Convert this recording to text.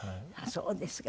そうですか。